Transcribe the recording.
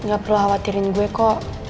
mel lo gak perlu khawatirin gue kok